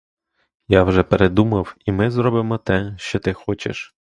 Я вже передумав, і ми зробимо те, що ти хочеш.